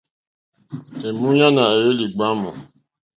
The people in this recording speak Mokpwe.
Èmúɲánà à hwélì ɡbwámù.